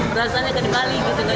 perasanya kayak di bali gitu